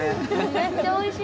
めっちゃおいしい！